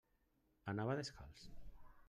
Anava descalç.